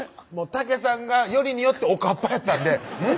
たけさんがよりによっておかっぱやったんでうん？